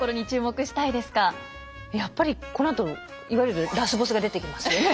やっぱりこのあといわゆるラスボスが出てきますよね。